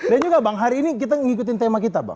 dan juga bang hari ini kita ngikutin tema kita bang